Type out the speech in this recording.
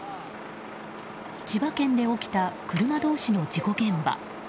千葉県で起きた車同士の事故現場。